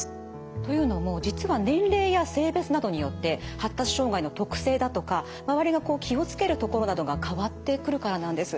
というのも実は年齢や性別などによって発達障害の特性だとか周りが気を付けるところなどが変わってくるからなんです。